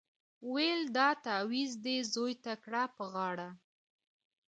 ویل دا تعویذ دي زوی ته کړه په غاړه